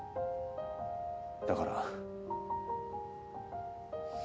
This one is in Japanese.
だから。